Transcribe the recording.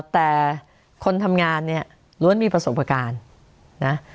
แต่คนทำงานเนี่ยล้วนมีประสบการณ์นะ